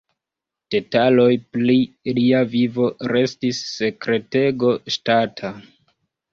Detaloj pri lia vivo restis sekretego ŝtata.